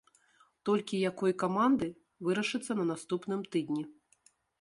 Толькі якой каманды, вырашыцца на наступным тыдні.